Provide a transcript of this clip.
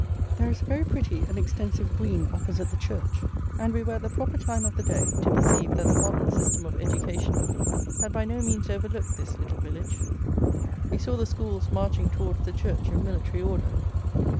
There is a very pretty and extensive green opposite the church; and we were at the proper time of the day to perceive that the modern system of education had by no means overlooked this little village. We saw the schools marching towards the church in military order.